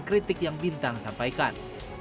kritik yang bintang sampaikan